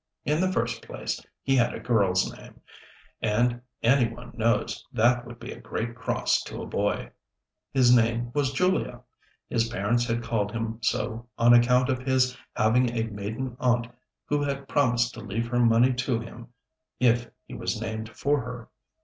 In the first place, he had a girl's name, and any one knows that would be a great cross to a boy. His name was Julia; his parents had called him so on account of his having a maiden aunt who had promised to leave her money to him if he was named for her.